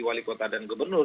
wali kota dan gubernur